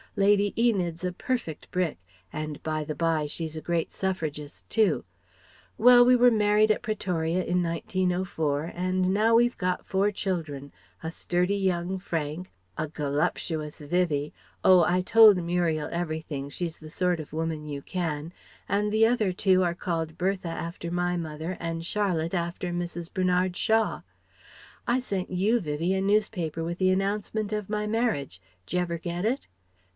Lady Enid's a perfect brick and, by the bye, she's a great Suffragist too. Well: we were married at Pretoria in 1904, and now we've got four children; a sturdy young Frank, a golupshous Vivie oh, I told Muriel everything, she's the sort of woman you can And the other two are called Bertha after my mother and Charlotte after Mrs. Bernard Shaw. I sent you, Vivie a newspaper with the announcement of my marriage Dj'ever get it?"